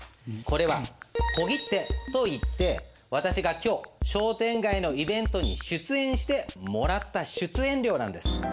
これは小切手といって私が今日商店街のイベントに出演してもらった出演料なんです。